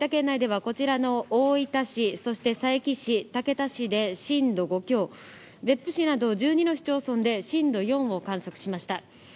内ではこちらの大分市、そして佐伯市、竹田市で震度５強、別府市など１２の市町村で震度４を観測しました。